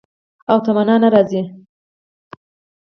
او تمنا نه راځي